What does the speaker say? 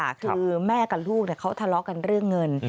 คือแม่กับลูกเขาทะเลาะกันเรื่องเงิน